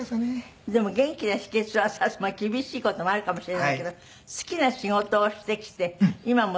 でも元気な秘訣は厳しい事もあるかもしれないけど好きな仕事をしてきて今もストレスがない。